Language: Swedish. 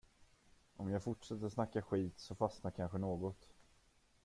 Om jag fortsätter snacka skit, så fastnar kanske något.